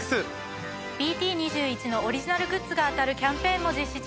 ＢＴ２１のオリジナルグッズが当たるキャンペーンも実施中です。